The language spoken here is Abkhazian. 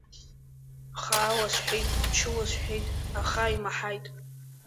Хаала сҳәеит, мчыла сҳәеит, аха имаҳаит.